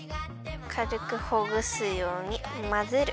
かるくほぐすようにまぜる！